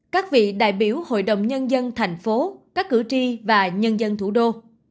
các vị đại biểu hội đồng nhân dân thành phố các cử tri và nhân dân thủ đô